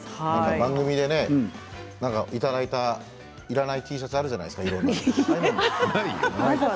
番組でいただいたいらないＴシャツあるじゃないですか、いろいろな。